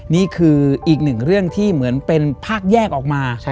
นี่คืออีกหนึ่งเรื่องที่เหมือนเป็นภาคแยกออกมา